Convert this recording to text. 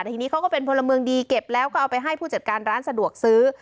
แต่ทีนี้เขาก็เป็นพลเมืองดีเก็บแล้วก็เอาไปให้ผู้จัดการร้านสะดวกซื้อ